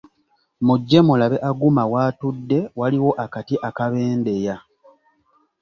Mujje mulabe Aguma w'atudde, waliwo akati akabendeya,